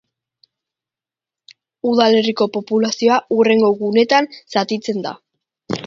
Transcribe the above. Udalerriko populazioa hurrengo gunetan zatitzen da.